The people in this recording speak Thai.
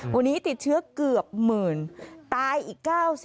วันนี้ติดเชื้อเกือบหมื่นตายอีก๙๐